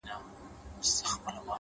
گوره زما گراني زما د ژوند شاعري،